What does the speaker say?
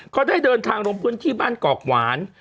เขาได้เดินทางลงทุนที่บ้านกรอกหวาน